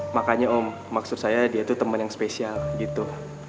makanya om maksud saya dia itu teman yang spesial gitu